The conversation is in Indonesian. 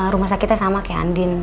rumah sakitnya sama kayak andin